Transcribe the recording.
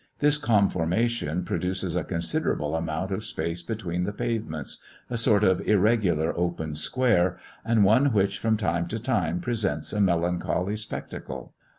This conformation produces a considerable amount of space between the pavements a sort of irregular open square, and one which from time to time presents a melancholy spectacle.